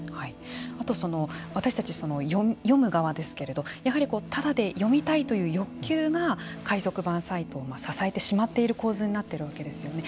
あと私たち読む側ですけれどやはりタダで読みたいという欲求が海賊版サイトを支えてしまっている構図になっているわけですよね。